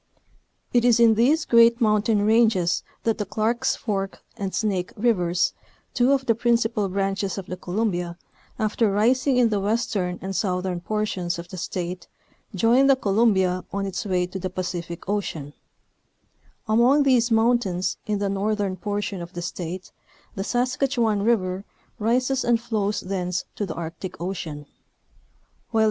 It is in these great mountain ranges that the Clarke's Fork and Snake Rivers, two of the principal branches of the Columbia, after rismg in the western and southern portions of the State join the Columbia on its way to the Pacific Ocean ; among these mountains in the northern portion of the State the Saskatchewan River rises and flows thence to the Arctic Ocean; while the 216 National Geographic Magazine.